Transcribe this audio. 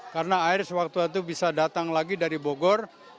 karena air sewaktu waktu bisa datang lagi dari bogor